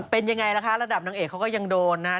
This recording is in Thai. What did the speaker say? เป็นยังไงล่ะคะระดับนางเอกเขาก็ยังโดนนะครับ